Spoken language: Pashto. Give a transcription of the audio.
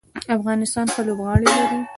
افغانستان ښه لوبغاړي لري.